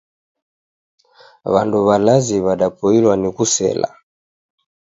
W'andu w'alazi w'adapoilwaa ni kusela.